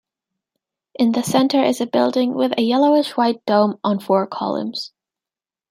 In the centre is a building with a yellowish-white dome on four columns.